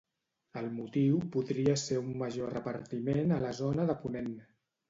El motiu podria ser un major repartiment a la zona de Ponent.